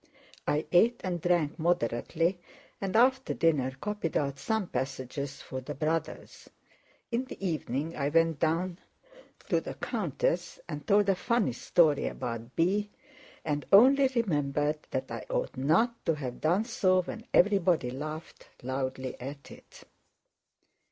I ate and drank moderately and after dinner copied out some passages for the Brothers. In the evening I went down to the countess and told a funny story about B., and only remembered that I ought not to have done so when everybody laughed loudly at it.